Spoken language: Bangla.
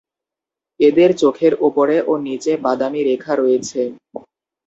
এদের চোখের ওপরে ও নিচে বাদামি রেখা রয়েছে।